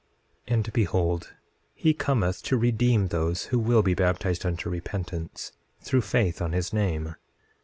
9:27 And behold, he cometh to redeem those who will be baptized unto repentance, through faith on his name.